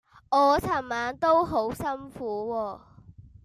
我尋晚都好辛苦喎